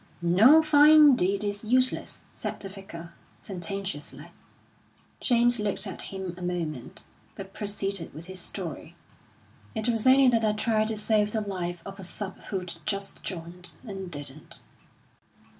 "No fine deed is useless," said the Vicar, sententiously. James looked at him a moment, but proceeded with his story. "It was only that I tried to save the life of a sub who'd just joined and didn't."